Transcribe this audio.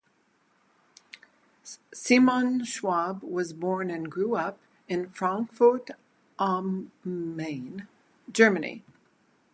Shimon Schwab was born and grew up in Frankfurt am Main, Germany.